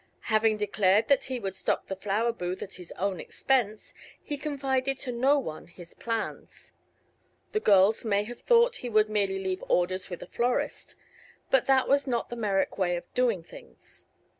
Having declared that he would stock the flower booth at his own expense, he confided to no one his plans. The girls may have thought he would merely leave orders with a florist; but that was not the Merrick way of doing things.